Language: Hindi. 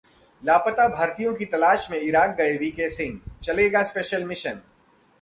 लापता भारतीयों की तलाश में इराक गए वीके सिंह, चलेगा 'स्पेशल मिशन'